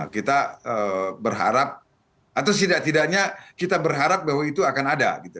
kita berharap atau setidaknya kita berharap bahwa itu akan ada gitu